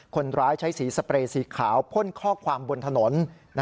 คนร้ายใช้สีสเปรย์สีขาวพ่นข้อความบนถนน